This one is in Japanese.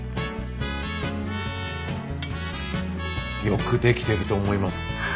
よく出来てると思います。